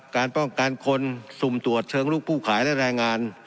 การป้องกันคนสุ่มตรวจเชิงลุกผู้ขายและแรงงาน